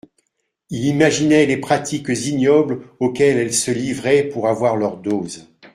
il imaginait les pratiques ignobles auxquelles elles se livraient pour avoir leur dose.